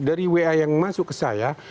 dari wa yang masuk ke saya